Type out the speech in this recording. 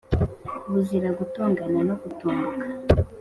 Buzira gutongana no gutombokwa